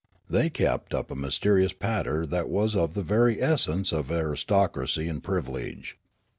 They kept up a mysterious patter that was of the very essence of aristocracy and privilege.